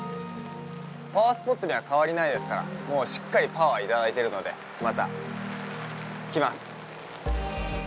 パワースポットには変わりないですから、もう、しっかりパワーをいただいてるので、また来ます！